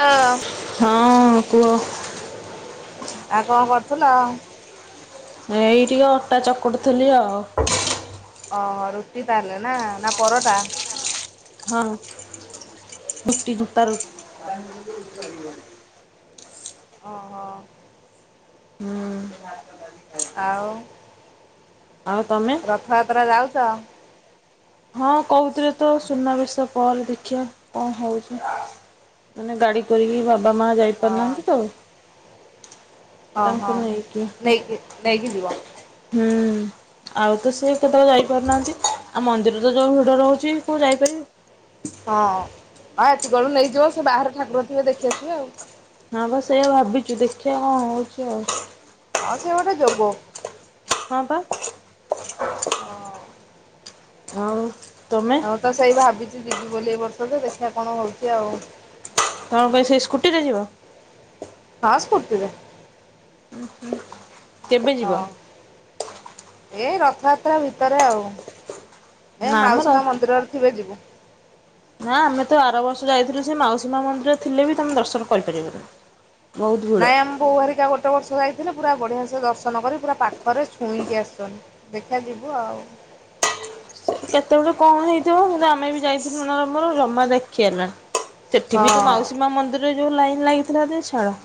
ଆ ହଁ କୁହ? ଆଉ କଣ କରୁଥୁଲ? ଏଇ ଟିକେ ଅଟା ଚକୁଡ଼ୁ ଥିଲି ଆଉ। ଓହୋ, ରୁଟି ତାହେଲେ ନା, ନା ପରଟା? ହଁ ଅଁ [unintelligible] ଓହୋ। ହଁ। ଆଉ ଆଉ ତମେ? ରଥ ଯାତ୍ରା ଯାଉଛ? ହଁ କହୁଥିଲେ ତ ସୁନାବେଶ ପରେ ଦେଖିଆ କଣ ହୋଉଛି। ମାନେ ଗାଡି କରିକି ବାବା ମା ହଁ ଯାଇପାରୁନାହାନ୍ତି ତ ତାଙ୍କୁ ଓହୋ। ନେଇକି ନେଇକି ନେଇକି ଯିବ? ହୁଁ। ଆଉ ତ ସେ କେତେବେଳେ ଯାଇପାରୁନାହାନ୍ତି। ଆଉ ମନ୍ଦିର ତ ଯୋଉ ଭିଡ ରହୁଛି କୋଉ ଯାଇପାରିବେ। ହଁ ଆଉ ଏତିକିବେଳୁ ନେଇଯିବ, ସେ ବାହାରେ ଠାକୁର ଥିବେ ଦେଖି ଆସିବେ ଆଉ। ହଁ ବା ସେଇଆ ଭାବିଛୁ ଦେଖିଆ କଣ ହଉଛି ଆଉ। ହଁ ସିଏ ଗୋଟେ ଯୋଗ। ହଁ ପା। ହଁ ଅଁ। ଆଉ ତମେ? ମୁଁ ତ ସେଇ ଭାବିଛି ଯିବି ବୋଲି ଏ ବର୍ଷ ଯେ ଦେଖିବା କଣ ହଉଛି ଆଉ? ତମେ କଣ ସେଇ ସ୍କୁଟିରେ ଯିବ? ହଁ ସ୍କୁଟି ରେ। କେବେ ଯିବ? ହଁ ଏଇ ରଥଯାତ୍ରା ଭିତରେ ଆଉ। ଏ ନା ମାଉସୀ ଆମର ମା ମନ୍ଦିରରେ ଥିବେ ଯିବୁ। ନା ଆମେ ତ ବାର ବର୍ଷ ଯାଇଥିଲୁ ସେ ମାଉସୀମା ମନ୍ଦିର ଥିଲେ ବି ତମେ ଦର୍ଶନ କରିପାରିବନି। ବହୁତ ଭିଡ। ନାଇଁ ଆମ ବୋଉହାରିକା ଗୋଟେ ବର୍ଷ ଯାଇଥିଲେ ପୁରା ବଢିଆ ସେ ଦର୍ଶନ କରି ପୁରା ପାଖରେ ଛୁଇଁକି ଆସୁଛନ୍ତି। ଦେଖ ଯିବୁ ଆଉ। କେତେବେଳୁ କଣ ହେଇଥିବ କିନ୍ତୁ ଆମେ ବି ଯାଇଥିଲୁ ନରମର ଜମା ଦେଖି ହେଲାନି। ସେଠି ବି ତୋ ହଁ ମାଉସୀ ମା ମନ୍ଦିରରେ ଯୋଉ ଲାଇନ୍ ଲାଗିଥିଲା ଯେ ଛାଳ।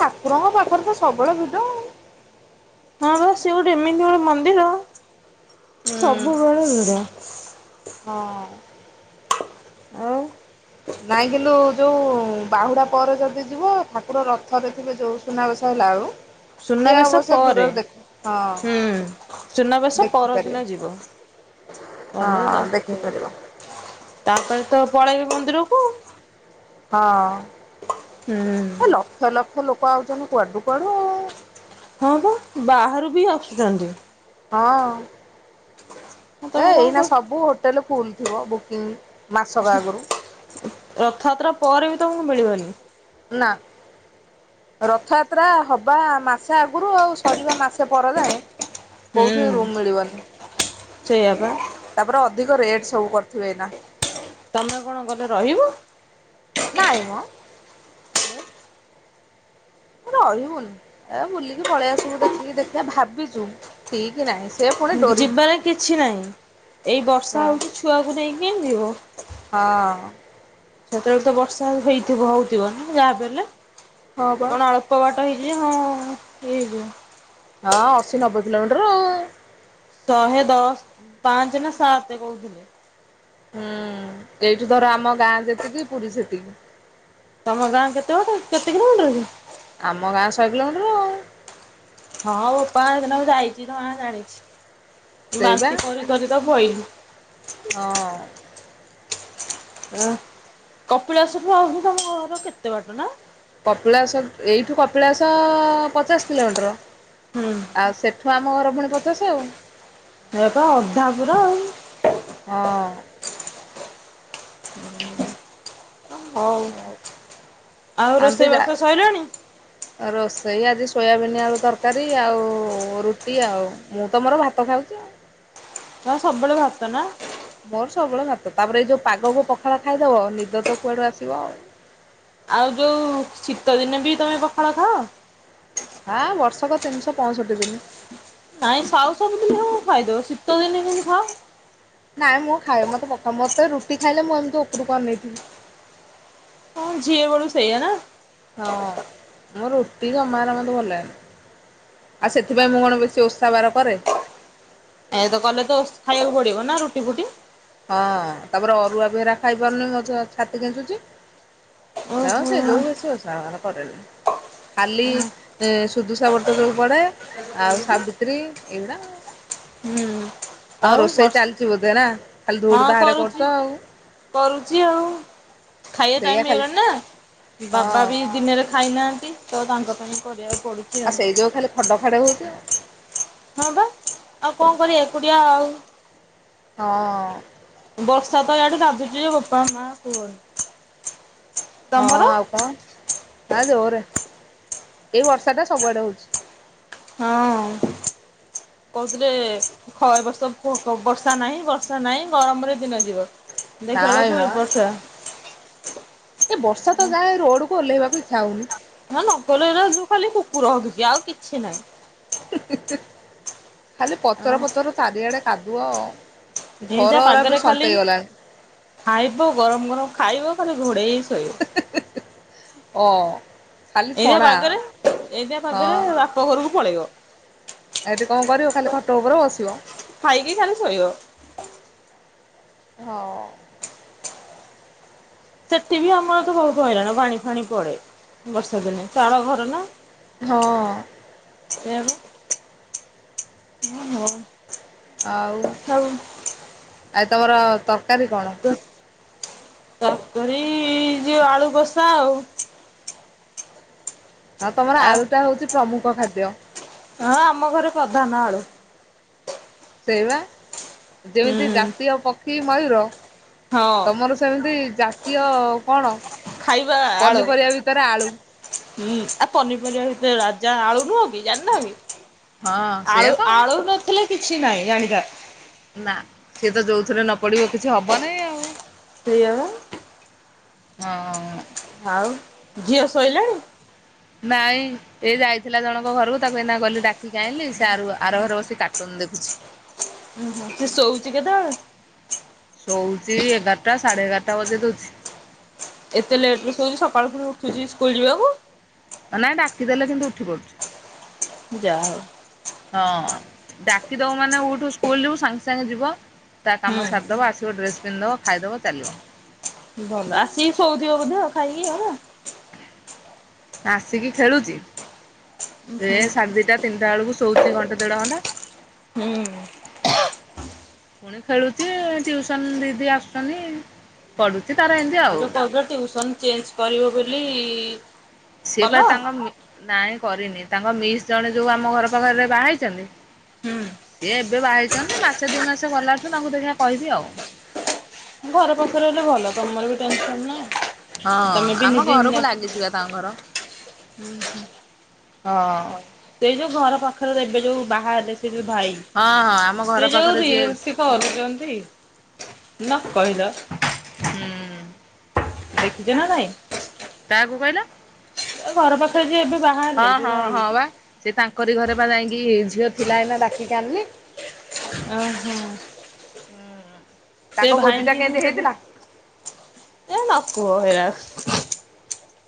ଠାକୁରଙ୍କ ପାଖରେ ତ ସବବେଳେ ଭିଡ ଆଉ। ହଁ ବା ସିଏ ଗୋଟେ ଏମିତି ଗୋଟେ ମନ୍ଦିର। ହୁଁ ସବୁବେଳେ ଭିଡ ହଁ। ଆଉ। ନାଇଁ କିନ୍ତୁ ଯୋଉ ବାହୁଡା ପରେ ଯଦି ଯିବ ଠାକୁର ରଥରେ ଥିବେ ଯୋଉ ସୁନାବେସ ହେଲା ଆଉ। ସୁନାବେଶ ପରେ ହଁ ହୁଁ। ସୁନାବେଶ ଦେଖିପାରିବ ପରଦିନ ଯିବ। ହଁ ଦେଖିପାରିବ [unintelligible] ତାପରେ ତ ପଳେଇବେ ମନ୍ଦିରକୁ ଆଉ। ହଁ। ଏ ହୁଁ। ଲକ୍ଷ ଲକ୍ଷ ଲୋକ ଆଉଛନ୍ତି କୁଆଡୁ କୁଆଡୁ ଆଉ। ହଁ ବା ବାହାରୁ ବି ଆଶୁଛନ୍ତି। ହଁ ଆଉ ଏ ତମେ କଣ ଏଇନା କର ସବୁ ହୋଟେଲ ଫୁଲ ଥିବ ବୁକିଂ। ମାସକ ଆଗରୁ। ରଥଯାତ୍ରା ପରେ ବି ତମକୁ ମିଳିବନି। ନା। ରଥଯାତ୍ରା ହବା ମାସେ ଆଗରୁ ଆଉ ସରିବା ମାସେ ପରେ ଯାଏ କୋଉଠି ହୁଁ। ରୁମ୍ ମିଳିବନି। ସେଇଆ ପା ତାପରେ ଅଧିକ ରେଟ୍ ସବୁ କରିଥିବେ ଏଇ ନା। ତମେ କଣ ଗଲେ ରହିବୁ? ନାଇଁ ମ। ରହିବୁନି ଏ ବୁଲିକି ପଳେଇ ଆସିବୁ ଦେଖିକି ଦେଖିବା ଭାବିଛୁ ଠିକ ନାଇଁ। ଯିବାର କିଛି ନାହିଁ ଏଇ ହଁ ବର୍ଷା ହଉଛିି ଛୁଆକୁ ନେଇକି ଯିବ। ହଁ। ସେତେବେଳେ ତ ବର୍ଷା ହେଇଥିବ ହଉଥିବ ନା ଯାହା ବି ହେଲେ ହଁ ବା କଣ ଅଳ କବାଟ ହେଇଛି ହଁ ଇ ହେଇଯିବ। ହଁ ଅଶୀ ନବେ କିଲୋମିଟର ଆଉ। ଶହେ ଦଶ ପାଞ୍ଚ ନା ସାତ କହୁଥିଲେ। ହୁଁ ଏଇଠୁ ଧର ଆମ ଗାଁ ଯେତିକି ପୁରୀ ସେତିକି। ତମ ଗାଁ କେତେଟ କେତେ କିଲୋମିଟର ଅଛି? ଆମ ଗାଁ ଶହେ କିଲୋମିଟର ଆଉ। ହଁ ବୋପା ସେଦିନ ମୁଁ ଯାଇଚି ତ ମା ଜାଣିଛି, ସେଇବା ବାନ୍ତି କରିକରି ତ ପଇଲି। ହଁ। ଅଁ, କପିଳାସଠୁ ଆହୁରି ତୋମ ଘର କେତେ ବାଟ ନା? କପିଳାସ, ଏଇଠୁ କପିଳାସ ପଚାଶ କିଲୋମିଟର। ହଁ। ଆଉ ସେଠୁ ଆମ ଘର ପୁଣି ପଚାଶେ ଆଉ। ଏ ପରା ଅଧା ପୁରା ଆଉ। ହଁ। ହଉ ଆଉ ରୋଷେଇ ବାସ ସଇଲାଣି? ହ ଅ, ରୋଷେଇ ଆଜି ସୋୟାବିନି ଆଳୁ ତରକାରୀ, ଆଉ ରୁଟି ଆଉ ମୁଁ ତୋ ମୋର ଭାତ ଖାଉଚି। ତୋମେ ସବବେଳେ ଭାତ ନା? ମୋର ସବୁବେଳେ ଭାତ, ତାପରେ ଏଇ ଯୋଉ ପାଗକୁ ପଖାଳ ଖାଇଦବ ନିଦ ତ କୁଆଡୁ ଆସିବ। ଆଉ ଯୋଉ ଶୀତଦିନେ ବି ତୋମେ ପଖାଳ ଖାଅ? ହାଁ ବର୍ଷକ ତିନିଶହ ପଅଁଷଠି ଦିନି। ନାଇଁ ସାଉ ସବୁଦିନେ ହଉ ଖାଇଦବ, ଶୀତ ଦିନେ କେମିତି ଖାଅ? ନାଇଁ ମୁଁ ଖାଏ, ମୋତେ ପଖା, ମୋତେ ରୁଟି ଖାଇଲେ ମୁଁ ଏମିତି ଉପରକୁ ଅନେଇଥିବି। ହଁ ଝିଅ ବେଳୁ ସେୟା ନା? ହଁ ମୁଁ ରୁଟି ଜମାରୁ ମୋତେ ଭଲ ଲାଗେନା। ଆଉ ସେଥିପାଇଁ ମୁଁ କଣ ବେଶି ଓଷା ବାର କରେ। ଏ ତ କଲେ ତ ଖାଇବାକୁ ପଡିବ ନା ରୁଟି ଫୁଟି। ହଁ ତାପରେ ଅରୁଆ ବି ହେରା ଖାଇ ପାରୁନି ମୋ ଛ- ଛାତି କେଞ୍ଚୁଛି। ହଁ ସେଇ ଓହୋ ଯୋଗୁ ବେଶି ଓଷା ବାର କରେନି। ଖାଲି ଏ ଶୁଦୁଶା ବ୍ରତ ଯୋଉ ପଡେ ଆଉ ସାବିତ୍ରୀ ଏଇ ଗୁଡ଼ା ହୁଁ। ତୋମ ଆଉ ରୋଷେଇ ବର୍ଷ ଚାଲିଚି ବୋଧେ ନା? ଖାଲି ଧୁଡୁ ହଁ ଧାଡେ କରୁଛ କରୁଚି, ଆଉ କରୁଚି ଆଉ। ଖାଇବା ସେଇଆ ଟାଇମ୍ ହେଇ ଖାଲି ଗଲାଣି ନା ହଁ ବାବା ବି ଦିନରେ ଖାଇ ନାହାନ୍ତି ତ ତାଙ୍କ ପାଇଁ କରିବାକୁ ପଡୁଛି। ଆଉ ସେଇ ଯୋଗୁ ଖାଲି ଖଡ ଖଡ଼େ ହଉଛି ଆଉ। ହଁ ବା ଆଉ କଣ କରିବା ଏକୁଟିଆ ଆଉ। ହଁ। ବର୍ଷା ତ ଇଆଡ଼େ ଗାଜୁଚି ଯେ ବୋପା ମାଆ କୁହନି। ହଁ ତମର? ଆଉ କଣ? ହଁ ଜୋରେ। ଏଇ ବର୍ଷା ଟା ସବୁଆଡେ ହଉଛି। ହଁ କହୁଥିଲେ ଖ-ଏ ବର୍ଷ ପକ ବର୍ଷା ନାହିଁ ବର୍ଷା ନାଇଁ ଗରମରେ ଦିନ ଯିବ। ଦେଖିଲା ନାଇଁ ବେଳକୁ ମ ଏ ବର୍ଷା ଏ ବର୍ଷା ତ ଯାହା ଏ ରୋଡ୍ କୁ ଓଲ୍ହେଇବାକୁ ଇଚ୍ଛା ହଉନି। ହଁ ନକଲେ ଏଇରା ଯୋଉ ଖାଲି କୁକୁର ହଗିଚି ଆଉ କିଛି ନାହିଁ। ଖାଲି ପଚର ଆଉ ପଚର ଚାରିଆଡେ କାଦୁଅ। ଏମତିଆ ଘରରା ବି ପାଗରେ ଖାଲି ସନ୍ତେଇ ଗଲାଣି ଖାଇବୁ, ଗରମ ଗରମ ଖାଇବ ଖାଲି ଘୋଡ଼େଇ ହେଇ ଶୋଇବ। ଅ, ଖାଲି ଏମତିଆ ଛଣା ପାଗରେ ଏମତିଆ ପାାଗରେ ହଁ ବାପ ଘରକୁ ପଳେଇବ। ଏଠି କଣ କରିବ ଖାଲି ଖଟ ଉପରେ ବସିବ। ଖାଇକି ଖାଲି ଶୋଇବ। ହଁ। ସେଠି ବି ଆମର ତ ବୋହୁତ ହଇରାଣ ପାଣି ଫାଣି ପଡେ। ବର୍ଷା ଦିନେ ଚାଳ ଘର ନା। ହଁ। ସେୟାପା ହୋଉ। ଆଉ ଆଜି ତମର ତ ତର୍ ତରକାରୀ ଯୋଉ ଆଳୁ କଷା ଆଉ। ଆଉ ତମର ଆଳୁ ଟା ହୋଉଚି ପ୍ରମୁଖ ଖାଦ୍ୟ। ହଁ ଆମ ଘରେ ପ୍ରଧାନ ଆଳୁ। ସେଇବା ହୁଁ ଯେମିତି ଜାତୀୟ ପକ୍ଷୀ ମୟୁର ହଁ ତମର ସେମିତି ଜାତୀୟ କଣ ଖାଇବା ଆଳୁ ପନିପରିବା ଭିତରେ ଆଳୁ ହୁଁ ଆ ପନିପରିବା ଭିତରେ ରାଜା ଆଳୁ ନୁହଁ କି ଜାଣିନ କି ହଁ ସେଇଆ ଆଳୁ ତ ଆଉ ଆଳୁ ନଥିଲେ କିଛି ନାହିଁ ଜାଣିଯାଥା। ନାଁ ସିଏ ତ ଯୋଉଥିରେ ନ ପଡିବ କିଛି ହବନାଇଁ ଆଉ। ସେଇୟାପା। ହଁ। ଆଉ ଝିଅ ଶୋଇଲାଣି? ନାଇଁ। ଏ ଯାଇଥିଲା ଜଣଙ୍କ ଘରକୁ ତାକୁ ଏଇନା ଗଲି ଡାକି କି ଆଇଁଲି। ସେ ଆରୁ ଆର ଘରେ ବସି କାର୍ଟୁନ ଦେଖୁଚି। ଉଁ ହୁଁ ସେ ଶୋଉଚି କେତେବେଳେ? ଶୋଉଚି ଏଗାରଟା ସାଢେ ଏଗାରଟା ବଜେଇ ଦୋଉଚି। ଏତେ ଲେଟ୍ ରେ ଶୋଉଚି ସକାଳୁ ଫୁଣି ଉଠୁଚି ସ୍କୁଲ ଯିବାକୁ। ନାଇଁ ଡାକିଦେଲେ ସେ କିନ୍ତୁ ଉଠି ପଡୁଚି। ଯାହା ହୋଉ। ହଁ ଡାକିଦୋବୁ ମାନେ ଉଠୁ ସ୍କୁଲ ଯିବୁ ସାଙ୍ଗେ ସାଙ୍ଗେ ଯିବ। ତା କାମ ସାରିଦବ ଆସିବ ଡ୍ରେସ ପିନ୍ଧଦବ ଖାଇଦବ ଚାଲିବ। ଭଲ ଆସିକି ଶୋଉଥିବ ବୋଧେ ଖାଇକି ଆଉ ନା। ଆସିକି ଖେଳୁଚି ସେ ହୁଁ ସାଢେ ଦିଇଟା ତିନିଟା ବେଳକୁ ଶୋଉଚି ଘଣ୍ଟେ ଦେଢ ଘଣ୍ଟା। ହୁଁ। ଫୁଣି ଖେଳୁଚି ଏ ଟିଉସନ ଦିଦି ଆସୁଚନ୍ତି ପଢୁଚି ତାର ଏମିତି ଆଉ। [unintelligible] ଅବିକା ଟିଉସନ୍ ଚେଞ୍ଜ କରିବ ବୋଲି ସିଏ କଲ? ପା ତାଙ୍କ ମି ନାଇଁ କରିନି ତାଙ୍କ ମିସ୍ ଜଣେ ଯୋଉ ଆମ ଘର ପାଖରେ ବାହା ହେଇଚନ୍ତି। ସିଏ ଏବେ ବାହା ହେଇଚନ୍ତି ତ ମାସେ ଦିଇ ମାସ ଗଲାଠୁ ତାଙ୍କୁ ଦେଖିବା କହିବି ଆଉ। ଘର ପାଖରେ ହେଲେ ଭଲ। ତମର ବି ଟେନସନ ନାହିଁ। ହଁ ତମେ ବି ଆମ ନିଜେ ଘରକୁ ଲାଗିଚିପା ତାଙ୍କ ଘର ହଁ। ସେଇ ଯୋଉ ଘର ପାଖରେ ଏବେ ଯୋଉ ବାହାହେଲେ ସେ ଯୋଉ ଭାଇ। ହଁ ହଁ ଆମ ଘର ପାଖରେ ଯିଏ କରୁୁଚନ୍ତି ନ କହିଲ। ଦେଖିଚ ନା ନାଇଁ? କାହାକୁ କହିଲ? ଏ ଘର ପାଖରେ ଯିଏ ଏବେ ବାହା ହଁ ହେଲେ ଯୋଉ ହଁ ଭାଇ। ହଁ ବା ସେ ତାଙ୍କରି ଘରେପା ଯାଇଁକି ଝିଅ ଥିଲା ଏନା ଡାକି କି ଆଣିନି। ଓହୋ ସେ ତାଙ୍କ ଭୋଜି ଟା ଭାଇଙ୍କି ମୁଁ କେମିତି ସେ ଦି ହେଇଥିଲା? ଏ ନ କୁହ ହେରା।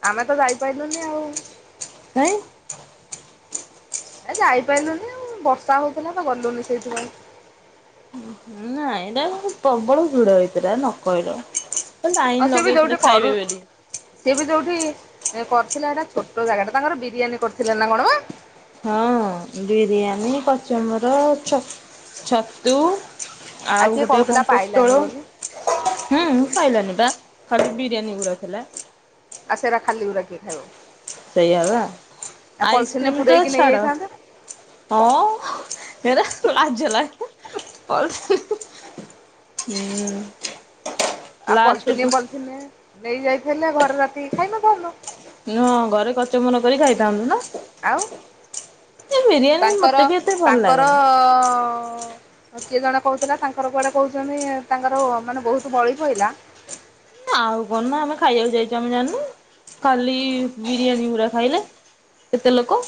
ଆମେ ତ ଯାଇପାଇଲୁନି ଆଉ। କାଇଁ। ଏ ଯାଇପାଇଲୁନି ବର୍ଷା ହଉଥିଲାତ ଗଲୁନି ସେଇଥିପାଇଁ। ନାଇଁ ଏଇଟା ପ୍ରବଳ ଭିଡ ହେଇଥିଲା ନ କହିଲ। ଆଉ ଲଇନ ସିଏ ବି ଯୋଉଠି ଲଗେଇଥିଲେ କରୁ ଖାଇବେ ବେଲି। ସିଏ ବି ଯୋଉଠି କରିଥିଲା ହେଟା ଛୋଟ ଜାଗାଟା ତାଙ୍କର ବିରିୟାନୀ କରିଥିଲେ ନା କଣ ବା? ହଁ ହଁ ବିରିୟାନୀ କଚମ୍ବର ଛତୁ ଆଉ କିଏ ଗୋଟେ କହୁଥିଲା କଣ ପାଇଲାନି ପୋଟଳ ବୋଲି ହୁଁ ପାଇଲାନି ପା ଖାଲି ବିରିୟାନୀ ଗୁରା ଥିଲା। ଆ ସେରା ଖାଲି ଗୁରା କିିଏ ଖାଇବ। ସେଇଆ ବା ଆଉ ପଲିଥିନରେ ଆଇସ୍କ୍ରିମ ତ ପୁରେଇକି ଛାଡ। ନେଇଯାଇଥାନ୍ତେ ହଁ ହେରା ଲାଜ ଲାଗିବ ପଲଥିନ ହିଁ ହିଁ ହୁଁ। ଆ ପଲଥିନିଏ ଲାଷ୍ଟକୁ ପଲଥିିନଏ ନେଇ ଯାଇଥିଲେ ଘରେ ରାତିକି ଖାଇନଥାନ୍ତ? ନୁହଁ ଘରେ କଚମ୍ବର କରି ଖାଇଥାନ୍ତୁ ନା? ଆଉ ଏ ବିରିୟାନୀ ମତେ ତାଙ୍କର ବି ଏତେ ଭଲ ତାଙ୍କର ଲାଗେନି ଅ କିଏ ଜଣେ କହୁଥିଲା ତାଙ୍କର କୁଆଡେ କହୁଛନ୍ତି ତାଙ୍କର ମାନେ ବହୁତ ବଳି ପହିଲା। ଆଉ କଣ ନା ଆମେ ଖାଇବାକୁ ଯାଇଛୁ ଆମେ ଜାଣିନୁ ଖାଲି ବିରିୟାନୀ ଗୁରା ଖାଇଲେ। କେତେ ଲୋକ।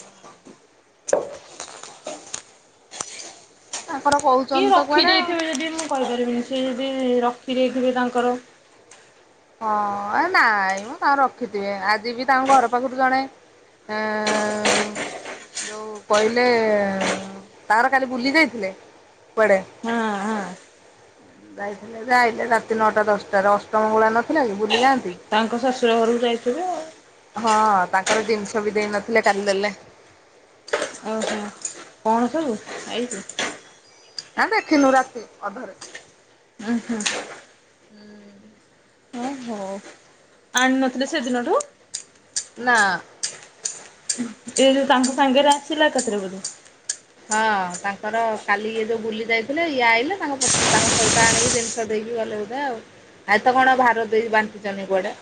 ତାଙ୍କର କିଏ କହୁଛନ୍ତି ତ ରଖି କୁଆଡେ ଦେଇଥେବେ ଯଦି ମୁଁ କହିପାରିବିନି ସେ ଯଦି ରଖି ଦେଇଥିବେ ତାଙ୍କର। ହଁଏ ନାଇଁମ ତାଙ୍କର ରଖିଥିବେ ଆଜିବି ତାଙ୍କ ଘର ପାଖରୁ ଜଣେ ଏଁ ଯଉ କହିଲେ ତାର କାଲି ବୁଲି ଯାଇଥିଲେ କୁଆଡେ? ହଁ ହଁ ଯାଇଥିଲେ ଯେ ଆଇଲେ ରାତି ନଅଟା ଦଶଟାରେ ଅଷ୍ଟ ମଙ୍ଗୁଳା ନଥିଲା କି ବୁଲି ଯାଆନ୍ତି ତାଙ୍କ ଶଶୁର ଘରକୁ ଯାଇଥିବେ ଆଉ। ହଁ ତାଙ୍କର ଜିନିଷ ବି ଦେଇ ନଥିଲେ କାଲି ଦେଲେ। ଉଁ ହୁଁ। କଣ ସବୁ ଆଇଛି? ଆଁ ଦେଖିନୁ ରାତି ଅଧରେ। ଉଁ ହୁଁ। ହୁଁ। ହଉ ଆଣି ନଥିଲେ ସେଦିନଠୁ? ନା। ଏ ଯୋଉ ତାଙ୍କ ସାଙ୍ଗରେ ଆସିଲା ଏକାଥରେ ବୋଧେ। ହଁ ତାଙ୍କର କାଲି ଇଏ ଯୋଉ ବୁଲି ଯାଇଥିଲେ ଇଏ ଆଇଲେ ତାଙ୍କ ପ ତାଙ୍କ ସହିତ ଆଣିକି ଜିନିଷ ଦେଇକି ଗଲେ ବୋଧେ ଆଉ ଆଜିତ କଣ ଭାର ଦେଇ ବାଣ୍ଟୁଚନ୍ତି କୁଆଡେ।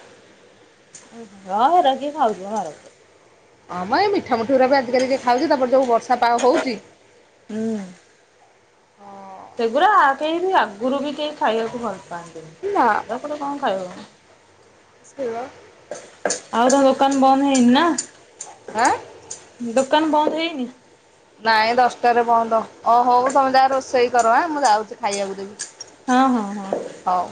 ହଁ ହେରା କିଏ ଖାଉଚି ମ ଭାରକୁ। ହଁ ମ ଏଇ ମିଠା ମିଠି ଗୁରାକ ଆଜି କାଲି କିଏ ଖାଉଛି ତାପରେ ଯଉ ବର୍ଷା ପାଗ ହଉଛି। ହୁଁ ସେଗୁରା କେହି ବି ଆଗରୁ ବି କେହି ଖାଇବାକୁ ଭଲ ପାଆନ୍ତିନି। ନା। ତାପରେ କଣ ଖାଇବ। ସେଇବା। ଆଉ ତା ଦୋକାନ ବନ୍ଦ ହେଇନି ନା? ଆଁ। ଦୋକାନ ବନ୍ଦ ହେଇନି। ନାଇଁ ଦଶଟାରେ ବନ୍ଦ ଅ ହଉ ତମେ ଯାଅ ରୋଷେଇ କର ଆଁ ମୁଁ ଯାଉଛି ଖାଇବାକୁ ଦେବି। ହଁ ହଁ ହଁ। ହଉ।